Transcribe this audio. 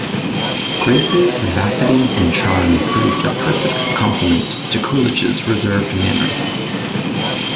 Grace's vivacity and charm proved a perfect complement to Coolidge's reserved manner.